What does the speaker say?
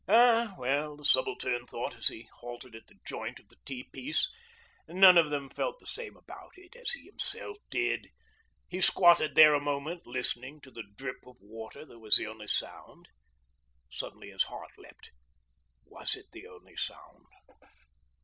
Ah well, the Subaltern thought as he halted at the joint of the T piece, none of them felt the same about it as he himself did. He squatted there a moment, listening to the drip of water that was the only sound. Suddenly his heart leapt ... was it the only sound?